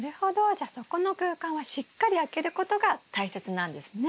じゃあそこの空間はしっかり空けることが大切なんですね。